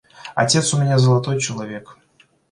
Отец у меня золотой человек.